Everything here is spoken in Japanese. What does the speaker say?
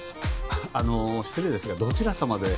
あの失礼ですがどちら様で？